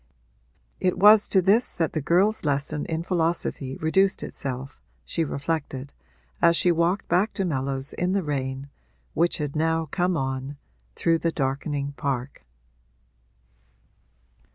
It was to this that the girl's lesson in philosophy reduced itself, she reflected, as she walked back to Mellows in the rain, which had now come on, through the darkening park.